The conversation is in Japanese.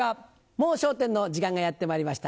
『もう笑点』の時間がやってまいりました。